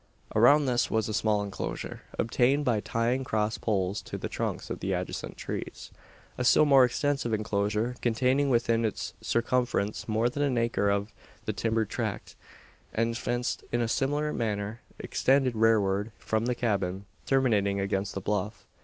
Around this was a small enclosure, obtained by tying cross poles to the trunks of the adjacent trees. A still more extensive enclosure, containing within its circumference more than an acre of the timbered tract, and fenced in a similar manner, extended rearward from the cabin, terminating against the bluff.